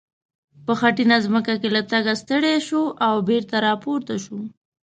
په خټینه ځمکه کې له تګه ستړی شو او بېرته را پورته شو.